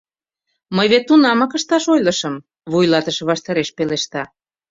Мый вет тунамак ышташ ойлышым, — вуйлатыше ваштареш пелешта.